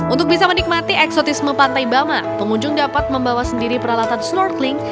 untuk bisa menikmati eksotisme pantai bama pengunjung dapat membawa sendiri peralatan snorkeling